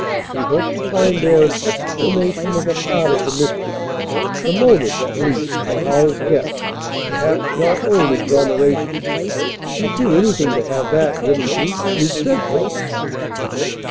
We hope to find there an explanation of a part of the mystery the motive, at least, for Howells's death; perhaps your own exoneration. You'd do anything to have that, wouldn't you? You've said so."